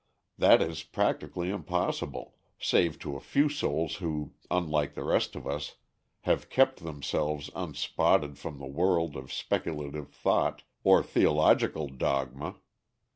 That is practically impossible, save to a few souls who, unlike the rest of us, have "kept themselves unspotted from the world" of speculative thought, or theological dogma.